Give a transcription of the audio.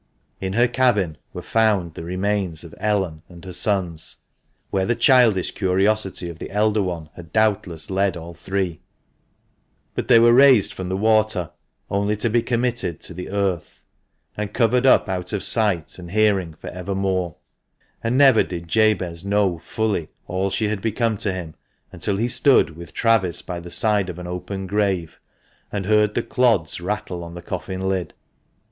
In her cabin were found the remains of Ellen and her sons, where the childish curiosity of the elder one had doubtless led all three ; but they were raised from the water only to be committed to the earth, and covered up out of sight and hearing for evermore ; and never did Jabez know fully all she had become to him until he stood with Travis by the side of an open grave, and heard the clods rattle on the coffin lid.